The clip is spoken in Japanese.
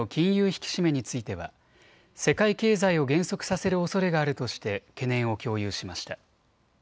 引き締めについては世界経済を減速させるおそれがあるとして懸念を共有しました。